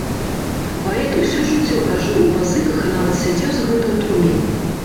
Паэт усё жыццё пражыў у пазыках і нават сядзеў за гэта ў турме.